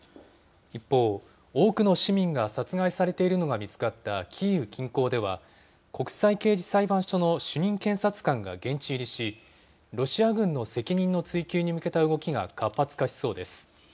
一方、多くの市民が殺害されているのが見つかったキーウ近郊では、国際刑事裁判所の主任検察官が現地入りし、ロシア軍の責任の追及に向けた動きが活発化しそうです。